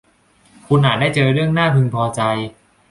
คุณอาจได้เจอเรื่องน่าพึงพอใจ